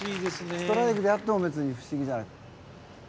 ストライクであっても別に不思議じゃない。